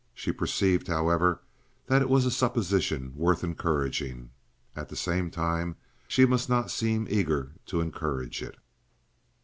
She perceived, however, that it was a supposition worth encouraging. At the same time, she must not seem eager to encourage it.